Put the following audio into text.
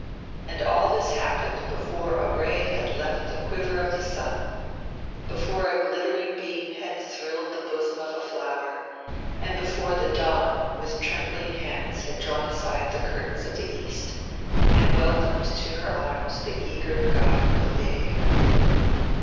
And all this happened before a ray had left the quiver of the sun, before a glittering beam had thrilled the bosom of a flower, and before the Dawn with trembling hands had drawn aside the curtains of the East and welcomed to her arms the eager god of Day.